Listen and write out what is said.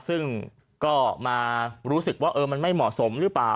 ซึ่งก็มารู้สึกว่ามันไม่เหมาะสมหรือเปล่า